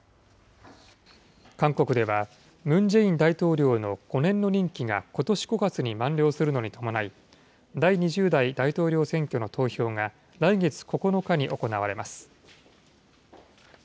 韓国では、ムン・ジェイン大統領の５年の任期がことし５月に満了するのに伴い、第２０代大統領選挙の投票が、来月９日に行われます。